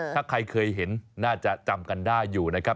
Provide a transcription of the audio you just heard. ถ้าใครเคยเห็นน่าจะจำกันได้อยู่นะครับ